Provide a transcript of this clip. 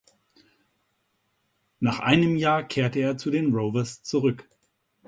Nach einem Jahr kehrte er zu den Rovers zurück.